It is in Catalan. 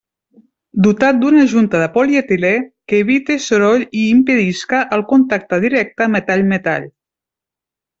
Dotat d'una junta de polietilé, que evite soroll i impedisca el contacte directe metall-metall.